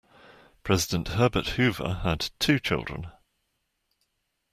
President Herbert Hoover had two children.